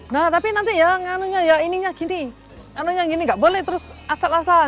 nah tapi nanti ya ini gini ini gini nggak boleh terus asal asal